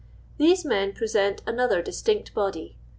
— These men present another distinct body.